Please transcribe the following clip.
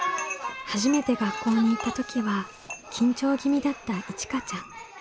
初めて学校に行った時は緊張気味だったいちかちゃん。